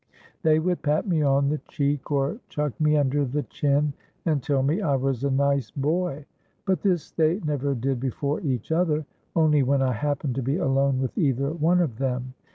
They would pat me on the cheek, or chuck me under the chin, and tell me I was nice boy: but this they never did before each other—only when I happened to be alone with either one of them.